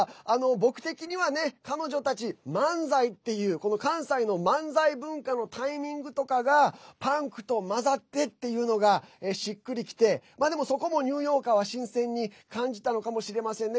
僕的にはね、彼女たち漫才っていう関西の漫才文化のタイミングとかがパンクと混ざってっていうのがしっくりきてでも、そこもニューヨーカーは新鮮に感じたのかもしれませんね。